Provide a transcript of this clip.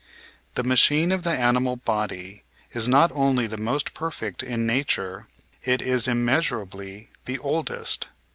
The machine of the animal body is not only the most perfect in nature ; it is immeasurably the old est.